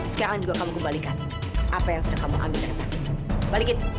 sekarang juga kamu kembalikan apa yang sudah kamu ambil dari kasih balikin